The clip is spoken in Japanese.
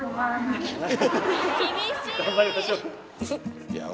・頑張りましょう。